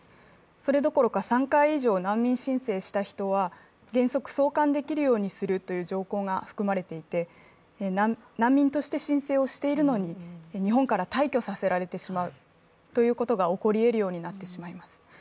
それどころか３回以上、難民申請した人は原則送還できるようにするという条項が含まれていて難民として申請をしているのに日本から退去させられてしまうということが起こりえるようになってしまいます。